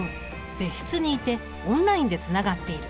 別室にいてオンラインでつながっている。